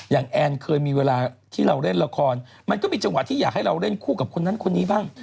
แอนเคยมีเวลาที่เราเล่นละครมันก็มีจังหวะที่อยากให้เราเล่นคู่กับคนนั้นคนนี้บ้าง